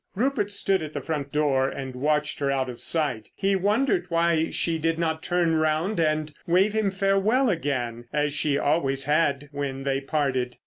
Rupert stood at the front door and watched her out of sight. He wondered why she did not turn round and wave him farewell again as she always had when they parted.